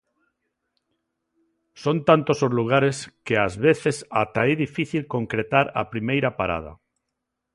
Son tantos os lugares que ás veces ata é difícil concretar a primeira parada.